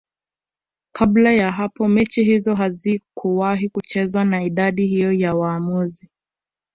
kabla ya hapo mechi hizo hazikuwahi kuchezeshwa na idadi hiyo ya waamuzi